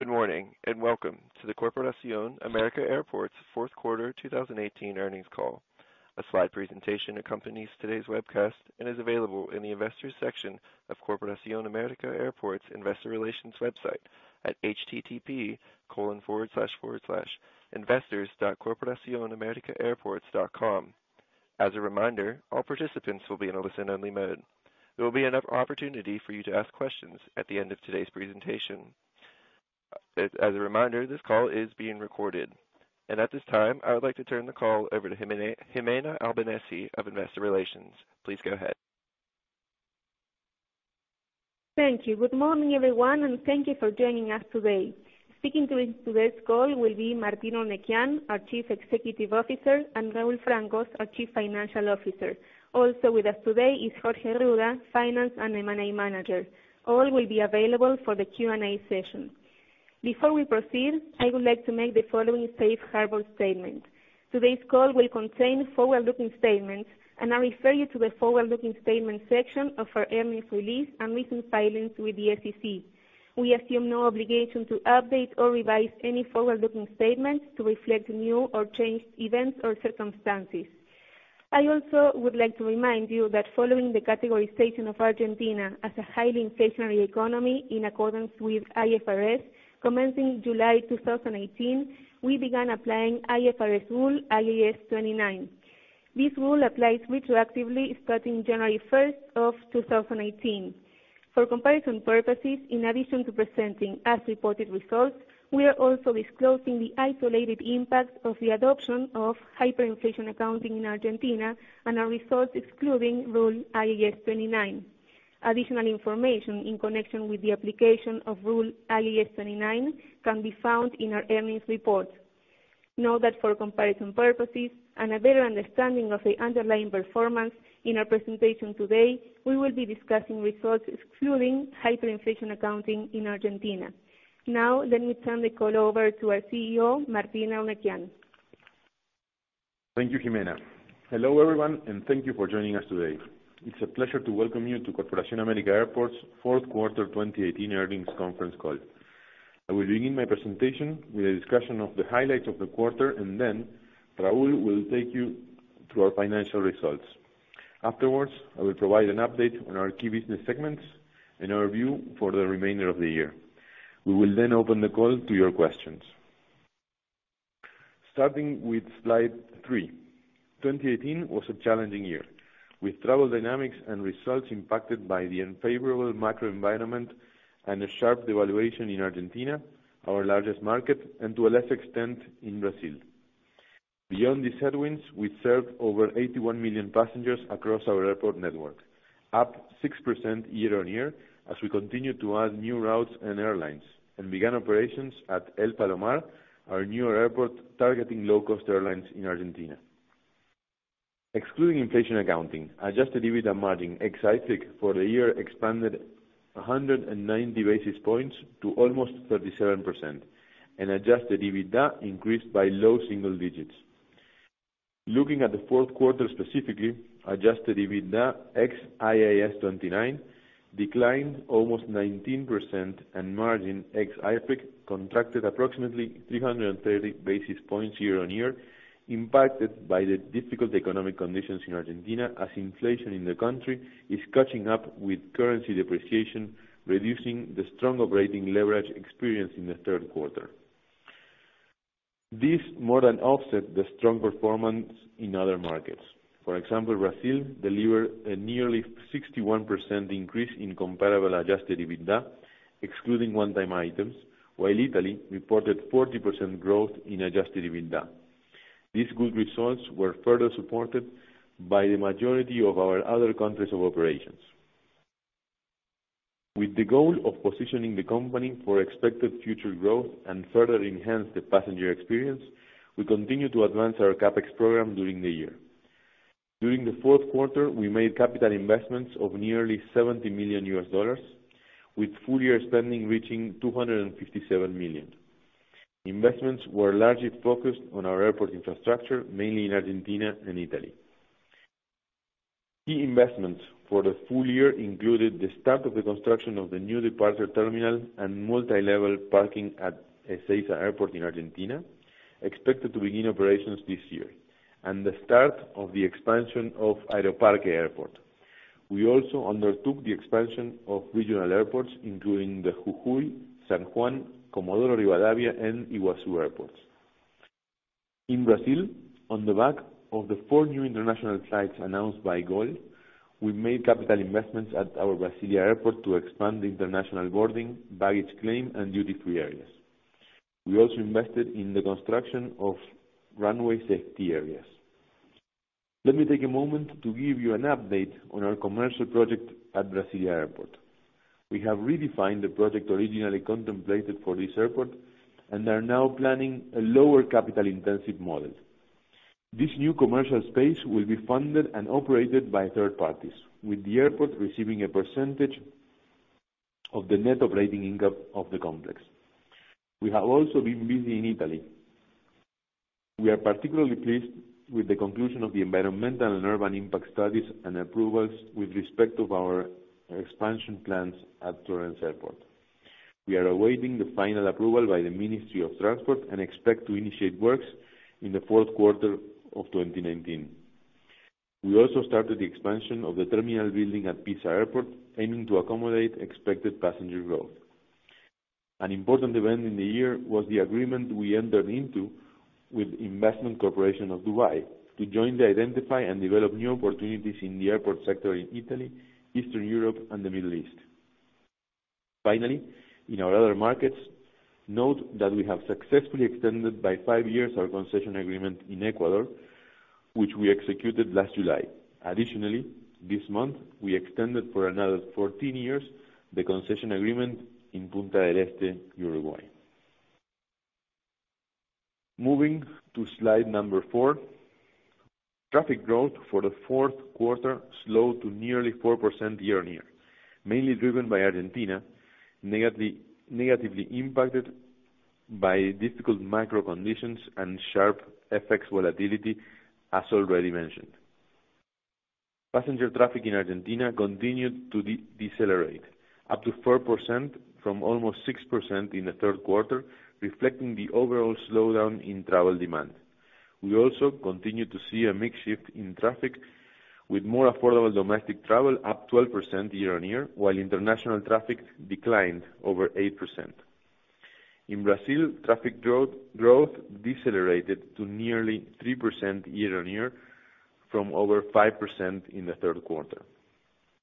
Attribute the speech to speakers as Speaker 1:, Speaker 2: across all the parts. Speaker 1: Good morning, and welcome to the Corporación América Airports fourth quarter 2018 earnings call. A slide presentation accompanies today's webcast and is available in the Investors section of Corporación América Airports Investor Relations website at http://investors.corporacionamericaairports.com. As a reminder, all participants will be in a listen-only mode. There will be an opportunity for you to ask questions at the end of today's presentation. As a reminder, this call is being recorded. At this time, I would like to turn the call over to Gimena Albanesi of Investor Relations. Please go ahead.
Speaker 2: Thank you. Good morning, everyone, and thank you for joining us today. Speaking to you in today's call will be Martín Eurnekian, our Chief Executive Officer, and Raúl Francos, our Chief Financial Officer. Also with us today is Jorge Arruda, finance and M&A manager. All will be available for the Q&A session. Before we proceed, I would like to make the following safe harbor statement. Today's call will contain forward-looking statements, and I refer you to the forward-looking statements section of our earnings release and recent filings with the SEC. We assume no obligation to update or revise any forward-looking statements to reflect new or changed events or circumstances. I also would like to remind you that following the categorization of Argentina as a highly inflationary economy, in accordance with IFRS, commencing July 2018, we began applying IFRS rule IAS 29. This rule applies retroactively starting January 1st of 2018. For comparison purposes, in addition to presenting as-reported results, we are also disclosing the isolated impact of the adoption of hyperinflation accounting in Argentina and our results excluding Rule IAS 29. Additional information in connection with the application of Rule IAS 29 can be found in our earnings report. Note that for comparison purposes and a better understanding of the underlying performance, in our presentation today, we will be discussing results excluding hyperinflation accounting in Argentina. Let me turn the call over to our CEO, Martín Eurnekian.
Speaker 3: Thank you, Gimena. Hello, everyone, and thank you for joining us today. It's a pleasure to welcome you to Corporación América Airports' fourth quarter 2018 earnings conference call. I will begin my presentation with a discussion of the highlights of the quarter. Raúl will take you through our financial results. Afterwards, I will provide an update on our key business segments and our view for the remainder of the year. We will open the call to your questions. Starting with Slide three. 2018 was a challenging year, with travel dynamics and results impacted by the unfavorable macro environment and a sharp devaluation in Argentina, our largest market, and to a lesser extent, in Brazil. Beyond these headwinds, we served over 81 million passengers across our airport network, up 6% year-on-year, as we continued to add new routes and airlines and began operations at El Palomar, our newer airport targeting low-cost airlines in Argentina. Excluding inflation accounting, adjusted EBITDA margin ex-IFRIC for the year expanded 190 basis points to almost 37%, and adjusted EBITDA increased by low single digits. Looking at the fourth quarter specifically, adjusted EBITDA ex IAS 29 declined almost 19%, and margin ex-IFRIC contracted approximately 330 basis points year-on-year, impacted by the difficult economic conditions in Argentina, as inflation in the country is catching up with currency depreciation, reducing the strong operating leverage experienced in the third quarter. This more than offset the strong performance in other markets. For example, Brazil delivered a nearly 61% increase in comparable adjusted EBITDA, excluding one-time items, while Italy reported 40% growth in adjusted EBITDA. These good results were further supported by the majority of our other countries of operations. With the goal of positioning the company for expected future growth and further enhance the passenger experience, we continued to advance our CapEx program during the year. During the fourth quarter, we made capital investments of nearly $70 million with full-year spending reaching $257 million. Investments were largely focused on our airport infrastructure, mainly in Argentina and Italy. Key investments for the full year included the start of the construction of the new departure terminal and multilevel parking at Ezeiza Airport in Argentina, expected to begin operations this year, and the start of the expansion of Aeroparque Airport. We also undertook the expansion of regional airports, including the Jujuy, San Juan, Comodoro Rivadavia, and Iguazu airports. In Brazil, on the back of the four new international flights announced by Gol, we made capital investments at our Brasilia airport to expand the international boarding, baggage claim, and duty-free areas. We also invested in the construction of runway safety areas. Let me take a moment to give you an update on our commercial project at Brasilia Airport. We have redefined the project originally contemplated for this airport and are now planning a lower capital-intensive model. This new commercial space will be funded and operated by third parties, with the airport receiving a percentage of the net operating income of the complex. We have also been busy in Italy. We are particularly pleased with the conclusion of the environmental and urban impact studies and approvals with respect to our expansion plans at Florence Airport. We are awaiting the final approval by the Ministry of Transport and expect to initiate works in the fourth quarter of 2019. We also started the expansion of the terminal building at Pisa Airport, aiming to accommodate expected passenger growth. An important event in the year was the agreement we entered into with Investment Corporation of Dubai to jointly identify and develop new opportunities in the airport sector in Italy, Eastern Europe, and the Middle East. Finally, in our other markets, note that we have successfully extended by five years our concession agreement in Ecuador, which we executed last July. Additionally, this month, we extended for another 14 years the concession agreement in Punta del Este, Uruguay. Moving to slide number four, traffic growth for the fourth quarter slowed to nearly 4% year-on-year, mainly driven by Argentina, negatively impacted by difficult macro conditions and sharp FX volatility, as already mentioned. Passenger traffic in Argentina continued to decelerate, up to 4% from almost 6% in the third quarter, reflecting the overall slowdown in travel demand. We also continue to see a mix shift in traffic, with more affordable domestic travel up 12% year-on-year, while international traffic declined over 8%. In Brazil, traffic growth decelerated to nearly 3% year-on-year, from over 5% in the third quarter.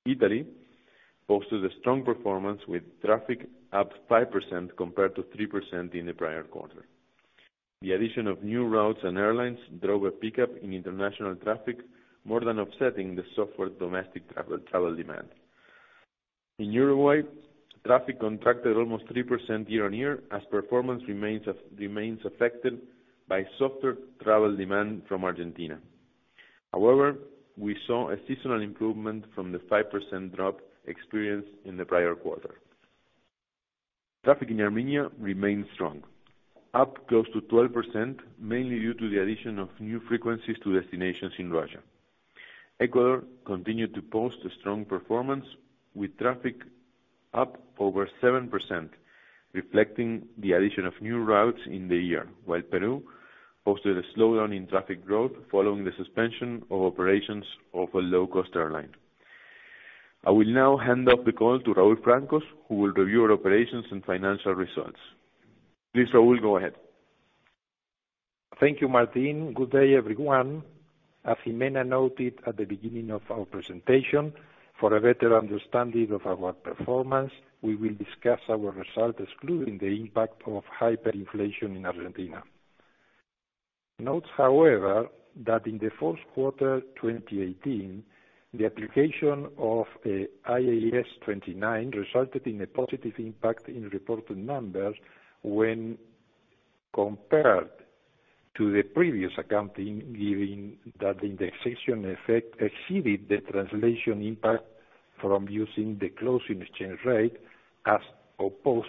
Speaker 3: Italy posted a strong performance, with traffic up 5% compared to 3% in the prior quarter. The addition of new routes and airlines drove a pickup in international traffic, more than offsetting the softer domestic travel demand. In Uruguay, traffic contracted almost 3% year-on-year, as performance remains affected by softer travel demand from Argentina. However, we saw a seasonal improvement from the 5% drop experienced in the prior quarter. Traffic in Armenia remained strong, up close to 12%, mainly due to the addition of new frequencies to destinations in Russia. Ecuador continued to post a strong performance, with traffic up over 7%, reflecting the addition of new routes in the year. Peru posted a slowdown in traffic growth following the suspension of operations of a low-cost airline. I will now hand off the call to Raúl Francos, who will review our operations and financial results. Please, Raúl, go ahead.
Speaker 4: Thank you, Martín. Good day, everyone. As Gimena noted at the beginning of our presentation, for a better understanding of our performance, we will discuss our results excluding the impact of hyperinflation in Argentina. Note, however, that in the fourth quarter 2018, the application of IAS 29 resulted in a positive impact in reported numbers when compared to the previous accounting, given that the indexation effect exceeded the translation impact from using the closing exchange rate, as opposed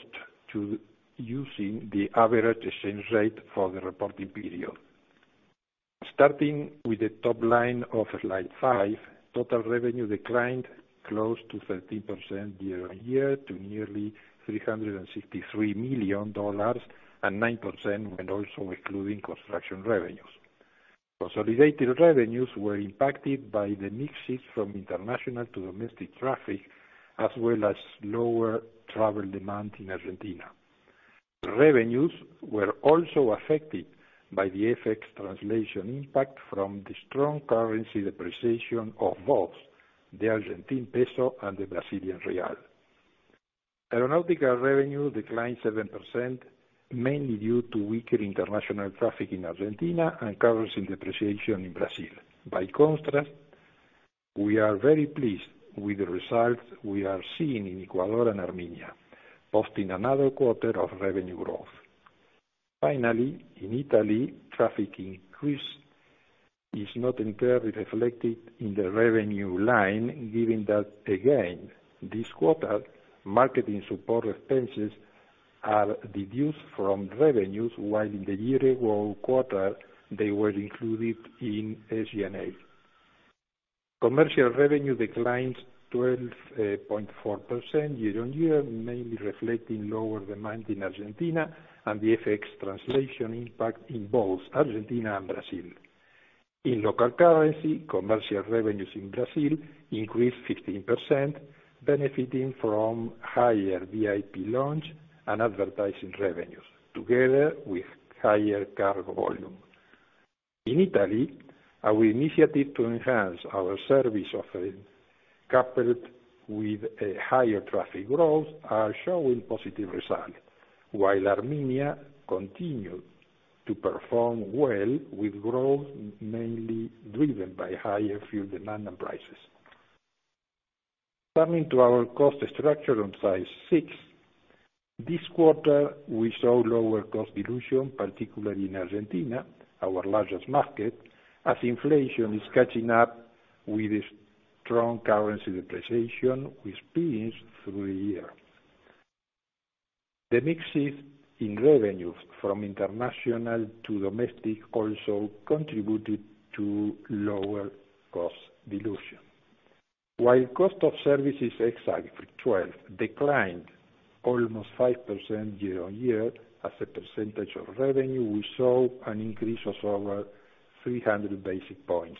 Speaker 4: to using the average exchange rate for the reporting period. Starting with the top line of slide five, total revenue declined close to 13% year-on-year to nearly $363 million, and 9% when also excluding construction revenues. Consolidated revenues were impacted by the mix shift from international to domestic traffic, as well as lower travel demand in Argentina. Revenues were also affected by the FX translation impact from the strong currency depreciation of both the Argentine peso and the Brazilian real. Aeronautical revenue declined 7%, mainly due to weaker international traffic in Argentina and currency depreciation in Brazil. By contrast, we are very pleased with the results we are seeing in Ecuador and Armenia, posting another quarter of revenue growth. Finally, in Italy, traffic increase is not entirely reflected in the revenue line, given that again, this quarter, marketing support expenses are deducted from revenues, while in the year ago quarter, they were included in SG&A. Commercial revenue declined 12.4% year-on-year, mainly reflecting lower demand in Argentina and the FX translation impact in both Argentina and Brazil. In local currency, commercial revenues in Brazil increased 15%, benefiting from higher VIP lounge and advertising revenues, together with higher cargo volume. In Italy, our initiative to enhance our service offering, coupled with a higher traffic growth, are showing positive results. Armenia continued to perform well with growth, mainly driven by higher fuel demand and prices. Coming to our cost structure on slide 6, this quarter, we saw lower cost dilution, particularly in Argentina, our largest market, as inflation is catching up with the strong currency depreciation we experienced through the year. The mix shift in revenues from international to domestic also contributed to lower cost dilution. Cost of services ex IFRIC 12 declined almost 5% year-on-year. As a percentage of revenue, we saw an increase of over 300 basis points.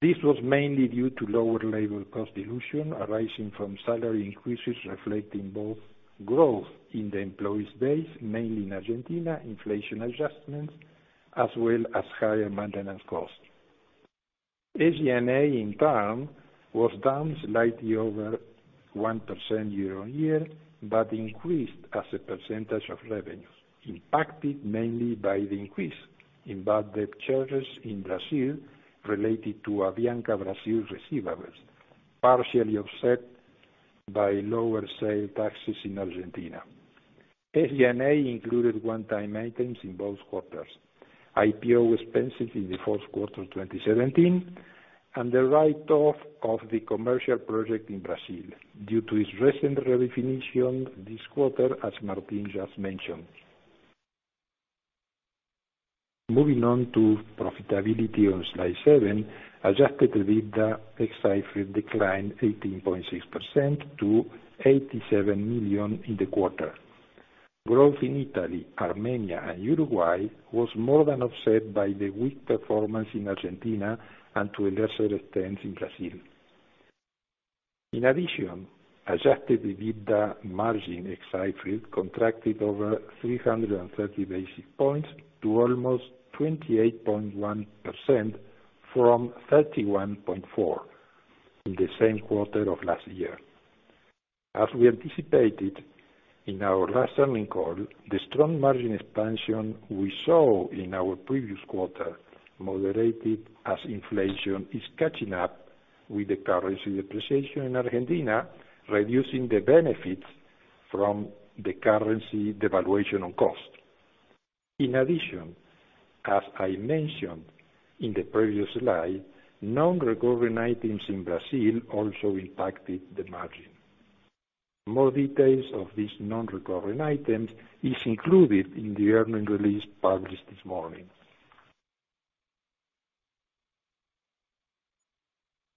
Speaker 4: This was mainly due to lower labor cost dilution arising from salary increases, reflecting both growth in the employee's base, mainly in Argentina, inflation adjustments, as well as higher maintenance costs. SG&A in turn was down slightly over 1% year-on-year, but increased as a percentage of revenues, impacted mainly by the increase in bad debt charges in Brazil related to Avianca Brasil's receivables, partially offset by lower sales taxes in Argentina. SG&A included one-time items in both quarters: IPO expenses in the fourth quarter of 2017 and the write-off of the commercial project in Brazil, due to its recent redefinition this quarter, as Martín just mentioned. Moving on to profitability on slide 7, adjusted EBITDA ex IFRIC declined 18.6% to $87 million in the quarter. Growth in Italy, Armenia, and Uruguay was more than offset by the weak performance in Argentina and to a lesser extent, in Brazil. In addition, adjusted EBITDA margin ex IFRIC contracted over 330 basis points to almost 28.1% from 31.4% in the same quarter of last year. We anticipated in our last earnings call, the strong margin expansion we saw in our previous quarter moderated as inflation is catching up with the currency depreciation in Argentina, reducing the benefits from the currency devaluation on cost. In addition, as I mentioned in the previous slide, non-recurring items in Brazil also impacted the margin. More details of these non-recurring items is included in the earning release published this morning.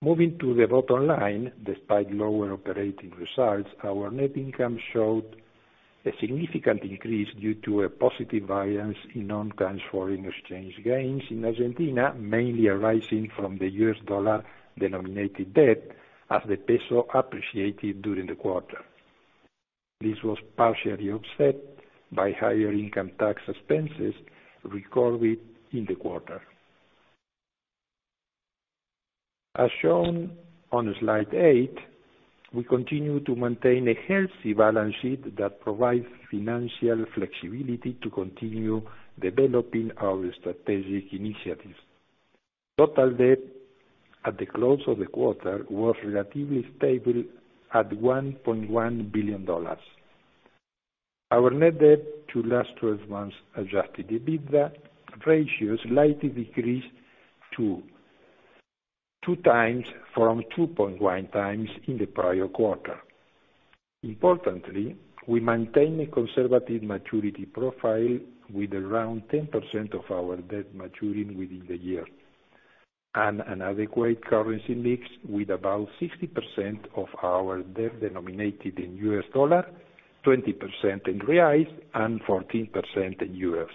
Speaker 4: Moving to the bottom line, despite lower operating results, our net income showed a significant increase due to a positive variance in non-controlling exchange gains in Argentina, mainly arising from the US dollar-denominated debt as the peso appreciated during the quarter. This was partially offset by higher income tax expenses recorded in the quarter. As shown on slide 8, we continue to maintain a healthy balance sheet that provides financial flexibility to continue developing our strategic initiatives. Total debt at the close of the quarter was relatively stable at $1.1 billion. Our net debt to last 12 months adjusted EBITDA ratio slightly decreased to 2 times from 2.1 times in the prior quarter. Importantly, we maintain a conservative maturity profile with around 10% of our debt maturing within the year and an adequate currency mix with about 60% of our debt denominated in US dollar, 20% in BRL, and 14% in EUR.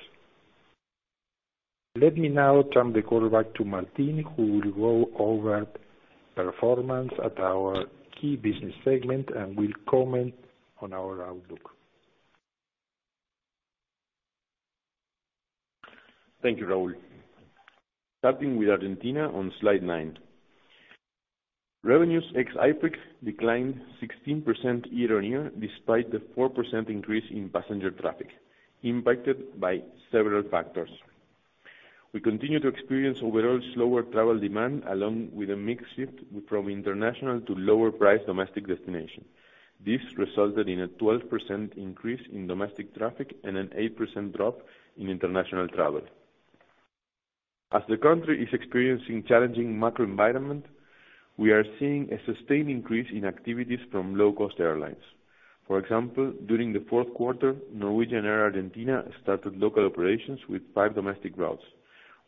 Speaker 4: Let me now turn the call back to Martín, who will go over performance at our key business segment and will comment on our outlook.
Speaker 3: Thank you, Raúl. Starting with Argentina on slide nine. Revenues ex IFRIC declined 16% year-on-year, despite the 4% increase in passenger traffic impacted by several factors. We continue to experience overall slower travel demand, along with a mix shift from international to lower price domestic destinations. This resulted in a 12% increase in domestic traffic and an 8% drop in international travel. As the country is experiencing challenging macro environment, we are seeing a sustained increase in activities from low-cost airlines. For example, during the fourth quarter, Norwegian Air Argentina started local operations with five domestic routes,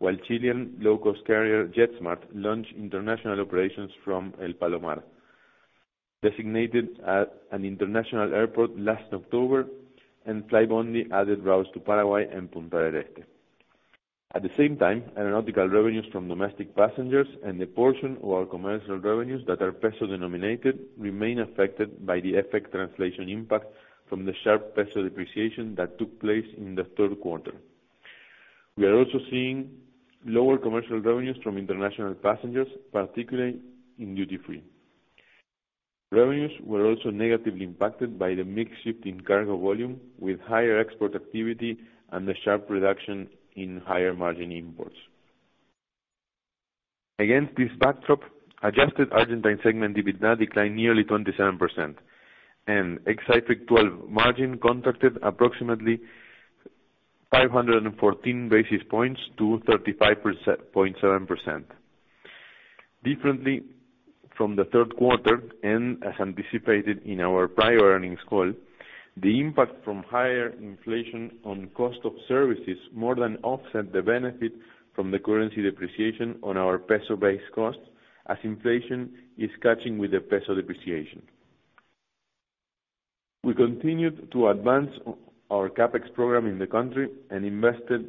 Speaker 3: while Chilean low-cost carrier JetSmart launched international operations from El Palomar, designated as an international airport last October, and Flybondi added routes to Paraguay and Punta del Este. At the same time, aeronautical revenues from domestic passengers and the portion of our commercial revenues that are peso-denominated remain affected by the FX translation impact from the sharp peso depreciation that took place in the third quarter. We are also seeing lower commercial revenues from international passengers, particularly in duty-free. Revenues were also negatively impacted by the mix shift in cargo volume with higher export activity and the sharp reduction in higher margin imports. Against this backdrop, adjusted Argentine segment EBITDA declined nearly 27%, and ex IFRIC 12 margin contracted approximately 514 basis points to 35.7%. Differently from the third quarter, and as anticipated in our prior earnings call, the impact from higher inflation on cost of services more than offset the benefit from the currency depreciation on our peso-based costs, as inflation is catching with the peso depreciation. We continued to advance our CapEx program in the country and invested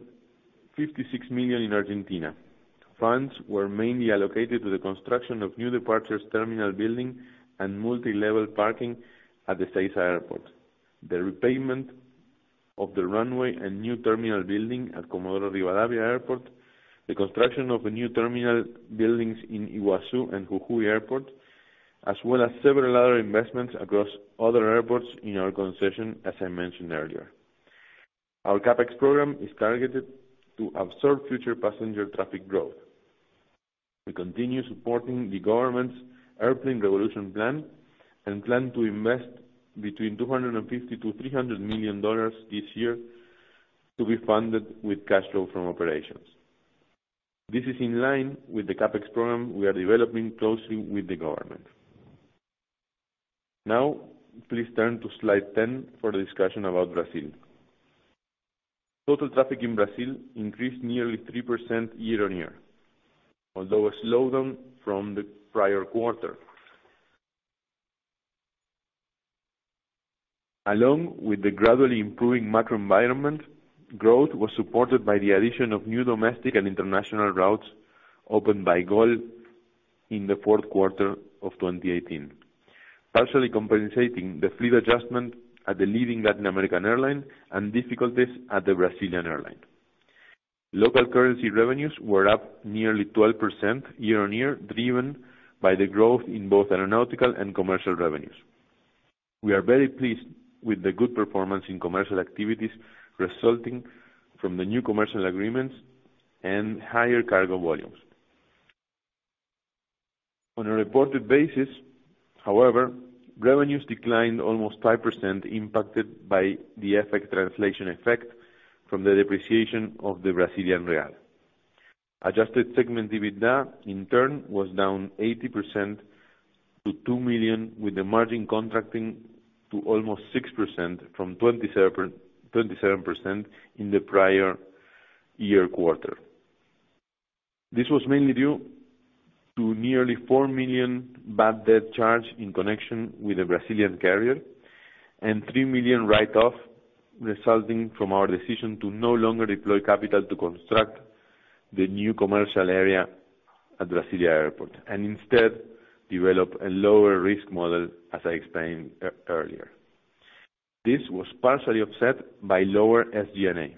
Speaker 3: $56 million in Argentina. Funds were mainly allocated to the construction of new departures terminal building and multilevel parking at the Ezeiza Airport, the repavement of the runway and new terminal building at Comodoro Rivadavia Airport, the construction of new terminal buildings in Iguazu and Jujuy Airport, as well as several other investments across other airports in our concession, as I mentioned earlier. Our CapEx program is targeted to absorb future passenger traffic growth. We continue supporting the government's airplane revolution plan and plan to invest between $250 million to $300 million this year to be funded with cash flow from operations. This is in line with the CapEx program we are developing closely with the government. Now, please turn to slide 10 for the discussion about Brazil. Total traffic in Brazil increased nearly 3% year-on-year, although a slowdown from the prior quarter. Along with the gradually improving macro environment, growth was supported by the addition of new domestic and international routes opened by Gol in the fourth quarter of 2018, partially compensating the fleet adjustment at the leading Latin American airline and difficulties at the Brazilian airline. Local currency revenues were up nearly 12% year-on-year, driven by the growth in both aeronautical and commercial revenues. We are very pleased with the good performance in commercial activities resulting from the new commercial agreements and higher cargo volumes. On a reported basis, however, revenues declined almost 5%, impacted by the FX translation effect from the depreciation of the Brazilian real. Adjusted segment EBITDA, in turn, was down 80% to 2 million, with the margin contracting to almost 6% from 27% in the prior year quarter. This was mainly due to nearly 4 million bad debt charge in connection with the Brazilian carrier and 3 million write-off resulting from our decision to no longer deploy capital to construct the new commercial area at Brasília Airport, and instead develop a lower risk model, as I explained earlier. This was partially offset by lower SG&A.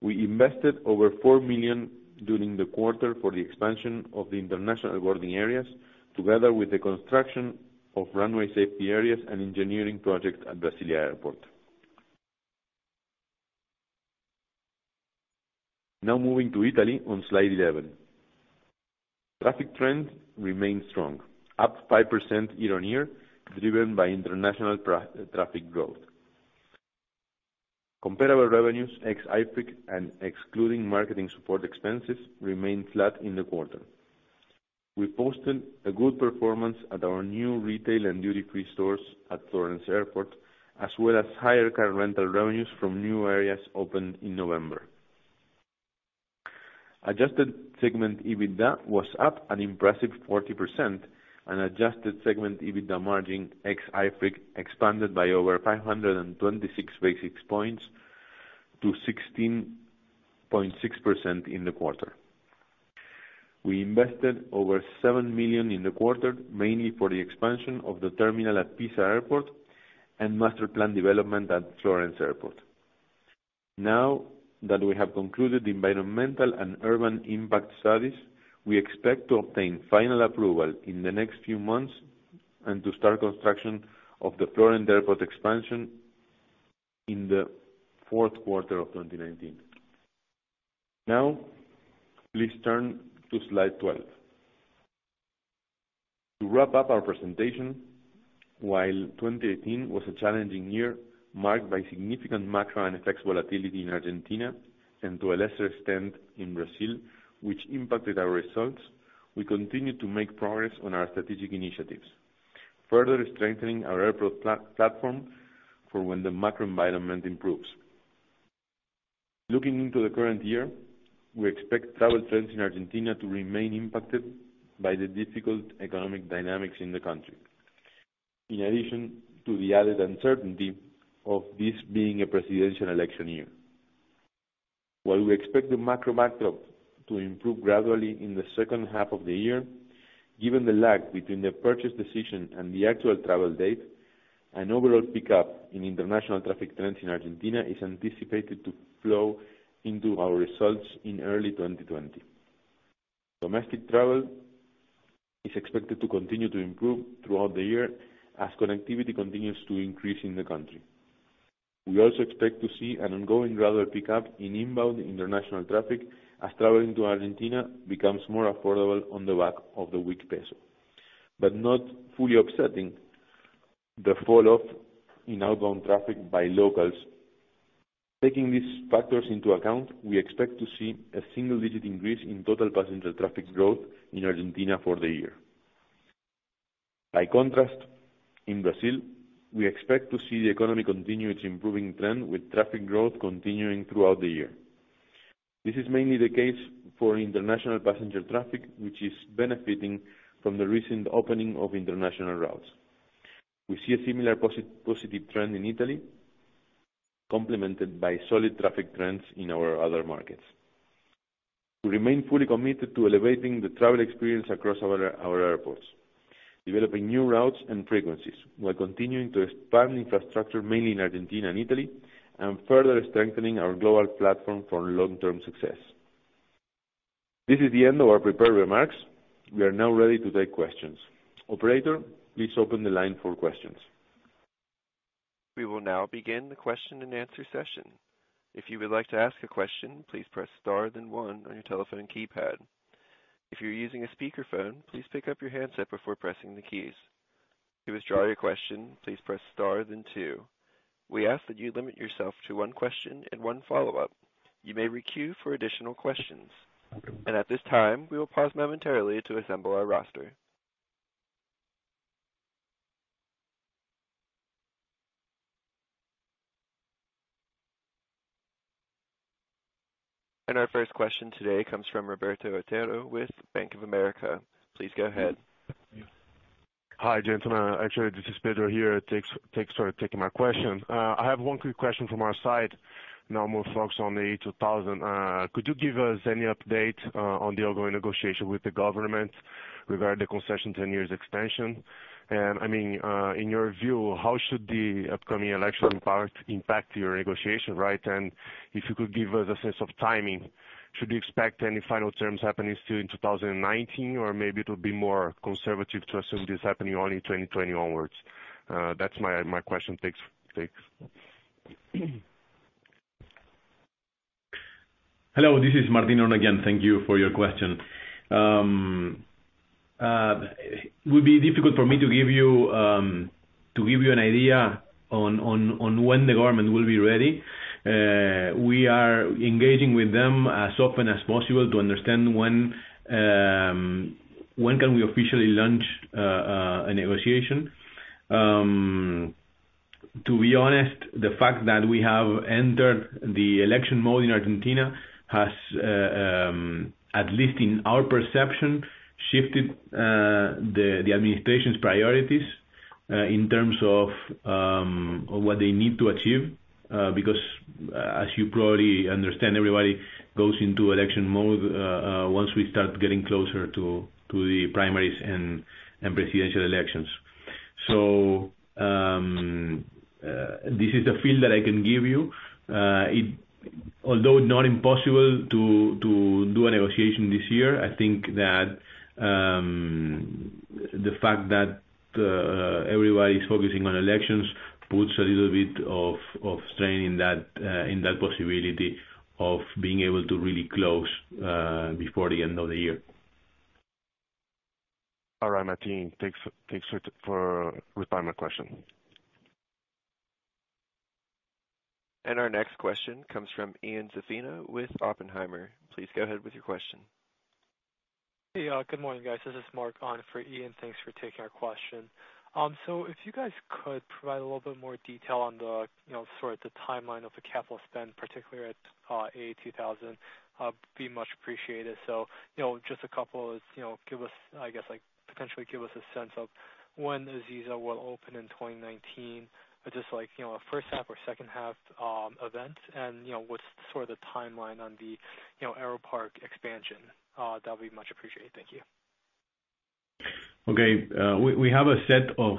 Speaker 3: We invested over 4 million during the quarter for the expansion of the international boarding areas, together with the construction of runway safety areas and engineering projects at Brasília Airport. Now moving to Italy on slide 11. Traffic trends remain strong, up 5% year-on-year, driven by international traffic growth. Comparable revenues ex-IFRIC and excluding marketing support expenses remained flat in the quarter. We posted a good performance at our new retail and duty-free stores at Florence Airport, as well as higher car rental revenues from new areas opened in November. Adjusted segment EBITDA was up an impressive 40%, and adjusted segment EBITDA margin ex-IFRIC expanded by over 526 basis points to 16.6% in the quarter. We invested over 7 million in the quarter, mainly for the expansion of the terminal at Pisa Airport and master plan development at Florence Airport. Now that we have concluded the environmental and urban impact studies, we expect to obtain final approval in the next few months and to start construction of the Florence Airport expansion in the fourth quarter of 2019. Now, please turn to slide 12. To wrap up our presentation, while 2018 was a challenging year marked by significant macro and FX volatility in Argentina, and to a lesser extent in Brazil, which impacted our results, we continue to make progress on our strategic initiatives, further strengthening our airport platform for when the macro environment improves. Looking into the current year, we expect travel trends in Argentina to remain impacted by the difficult economic dynamics in the country, in addition to the added uncertainty of this being a presidential election year. While we expect the macro backdrop to improve gradually in the second half of the year, given the lag between the purchase decision and the actual travel date, an overall pickup in international traffic trends in Argentina is anticipated to flow into our results in early 2020. Domestic travel is expected to continue to improve throughout the year as connectivity continues to increase in the country. We also expect to see an ongoing gradual pickup in inbound international traffic as traveling to Argentina becomes more affordable on the back of the weak peso, but not fully offsetting the fall-off in outbound traffic by locals. Taking these factors into account, we expect to see a single-digit increase in total passenger traffic growth in Argentina for the year. By contrast, in Brazil, we expect to see the economy continue its improving trend, with traffic growth continuing throughout the year. This is mainly the case for international passenger traffic, which is benefiting from the recent opening of international routes. We see a similar positive trend in Italy, complemented by solid traffic trends in our other markets. We remain fully committed to elevating the travel experience across our airports, developing new routes and frequencies, while continuing to expand infrastructure mainly in Argentina and Italy, and further strengthening our global platform for long-term success. This is the end of our prepared remarks. We are now ready to take questions. Operator, please open the line for questions.
Speaker 1: We will now begin the question-and-answer session. If you would like to ask a question, please press star then one on your telephone keypad. If you're using a speakerphone, please pick up your handset before pressing the keys. To withdraw your question, please press star then two. We ask that you limit yourself to one question and one follow-up. You may re-queue for additional questions. At this time, we will pause momentarily to assemble our roster. Our first question today comes from Roberto Otero with Bank of America. Please go ahead.
Speaker 5: Hi, gentlemen. Actually, this is Pedro here. Thanks for taking my question. I have one quick question from our side, now more focused on the A2000. Could you give us any update on the ongoing negotiation with the government regarding the concession 10 years extension? In your view, how should the upcoming election impact your negotiation? If you could give us a sense of timing, should we expect any final terms happening still in 2019, or maybe it will be more conservative to assume this happening only 2020 onwards? That's my question. Thanks.
Speaker 3: Hello, this is Martín Eurnekian. Thank you for your question. It would be difficult for me to give you an idea on when the government will be ready. We are engaging with them as often as possible to understand when can we officially launch a negotiation. To be honest, the fact that we have entered the election mode in Argentina has, at least in our perception, shifted the administration's priorities in terms of what they need to achieve, because, as you probably understand, everybody goes into election mode once we start getting closer to the primaries and presidential elections. This is the feel that I can give you. Although not impossible to do a negotiation this year, I think that the fact that everybody's focusing on elections puts a little bit of strain in that possibility of being able to really close before the end of the year.
Speaker 5: All right, Martín. Thanks for responding to my question.
Speaker 1: Our next question comes from Ian Zaffino with Oppenheimer. Please go ahead with your question.
Speaker 6: Hey, good morning, guys. This is Mark on for Ian. Thanks for taking our question. If you guys could provide a little bit more detail on the timeline of the capital spend, particularly at A2000, I'd be much appreciated. Just a couple is, potentially give us a sense of when Ezeiza will open in 2019, just like, a first half or second half event, and what's the timeline on the Aeroparque expansion. That would be much appreciated. Thank you.
Speaker 3: Okay. We have a set of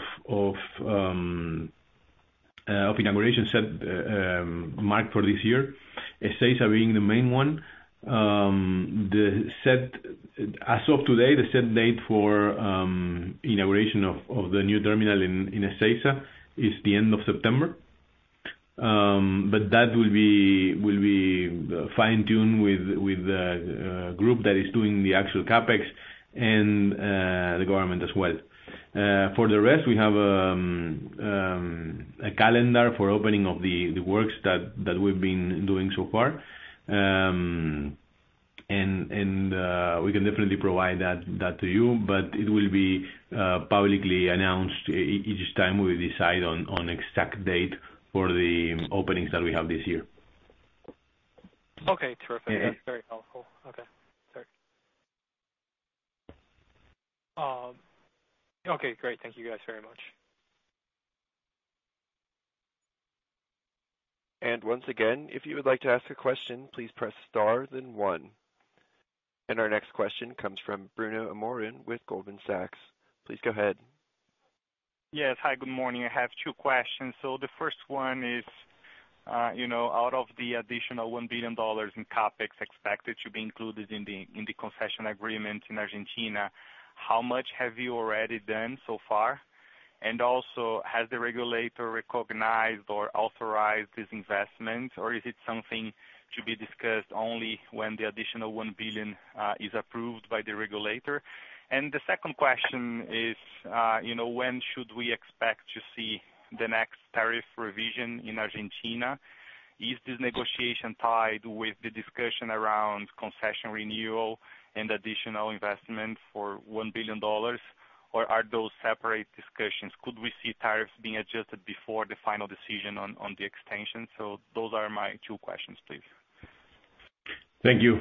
Speaker 3: inauguration mark for this year, Ezeiza being the main one. As of today, the set date for inauguration of the new terminal in Ezeiza is the end of September. That will be fine-tuned with the group that is doing the actual CapEx and the government as well. For the rest, we have a calendar for opening of the works that we've been doing so far. We can definitely provide that to you, but it will be publicly announced each time we decide on exact date for the openings that we have this year.
Speaker 6: Okay, terrific. That's very helpful. Okay, sorry. Okay, great. Thank you guys very much.
Speaker 1: Once again, if you would like to ask a question, please press star then one. Our next question comes from Bruno Amorim with Goldman Sachs. Please go ahead.
Speaker 7: Yes. Hi, good morning. I have two questions. The first one is, out of the additional ARS 1 billion in CapEx expected to be included in the concession agreement in Argentina, how much have you already done so far? Also, has the regulator recognized or authorized this investment, or is it something to be discussed only when the additional 1 billion is approved by the regulator? The second question is, when should we expect to see the next tariff revision in Argentina? Is this negotiation tied with the discussion around concession renewal and additional investment for ARS 1 billion, or are those separate discussions? Could we see tariffs being adjusted before the final decision on the extension? Those are my two questions, please.
Speaker 8: Thank you.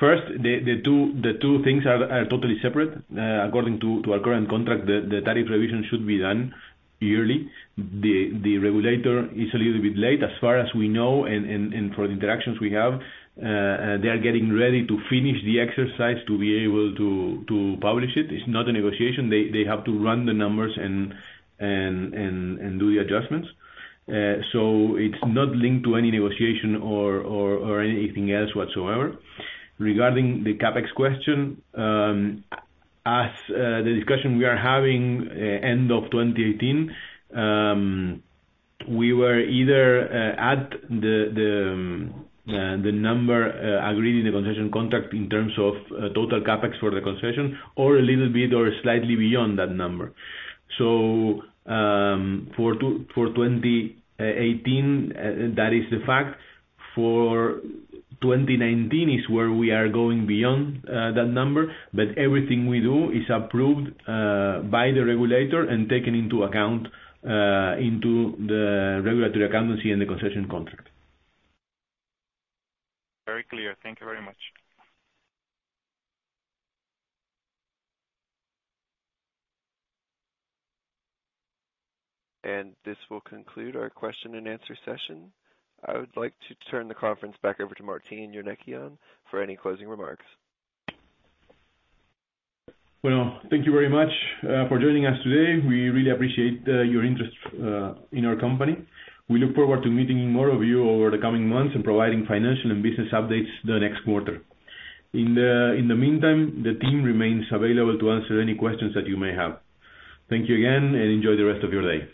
Speaker 8: First, the two things are totally separate. According to our current contract, the tariff revision should be done yearly. The regulator is a little bit late. As far as we know and from the interactions we have, they are getting ready to finish the exercise to be able to publish it. It's not a negotiation. They have to run the numbers and do the adjustments. It's not linked to any negotiation or anything else whatsoever. Regarding the CapEx question, as the discussion we are having end of 2018, we were either at the number agreed in the concession contract in terms of total CapEx for the concession or a little bit, or slightly beyond that number. For 2018, that is the fact. For 2019 is where we are going beyond that number. Everything we do is approved by the regulator and taken into account into the regulatory accountancy and the concession contract.
Speaker 7: Very clear. Thank you very much.
Speaker 1: This will conclude our question and answer session. I would like to turn the conference back over to Martín Eurnekian for any closing remarks.
Speaker 3: Thank you very much for joining us today. We really appreciate your interest in our company. We look forward to meeting more of you over the coming months and providing financial and business updates the next quarter. In the meantime, the team remains available to answer any questions that you may have. Thank you again, and enjoy the rest of your day.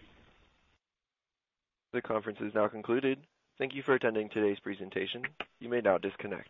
Speaker 1: The conference is now concluded. Thank you for attending today's presentation. You may now disconnect.